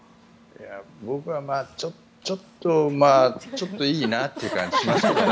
僕はちょっといいなっていう感じがしますね。